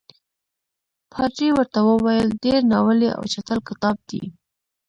پادري ورته وویل ډېر ناولی او چټل کتاب دی.